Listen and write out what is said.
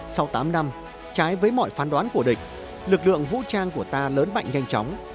sau tám năm trái với mọi phán đoán của địch lực lượng vũ trang của ta lớn mạnh nhanh chóng